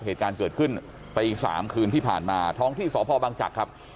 เหตุการณ์เกิดขึ้นตี๓คืนที่ผ่านมาท้องที่สพบังจักรครับ